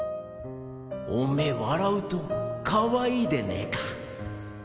おめえ笑うとカワイイでねえか